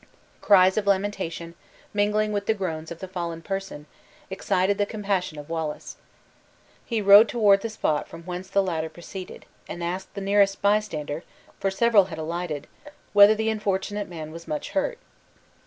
Cries of lamentation, mingling with the groans of the fallen person, excited the compassion of Wallace. He rode toward the spot from when the latter proceeded, and asked the nearest bystander (for several had alighted) whether the unfortunate man was much hurt.